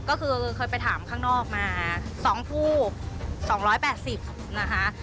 ก็คือเคยไปถามข้างนอกมา๒ผู้๒๘๐นะคะ